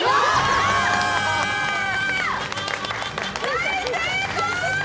大成功！